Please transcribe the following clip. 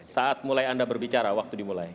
saat mulai anda berbicara waktu dimulai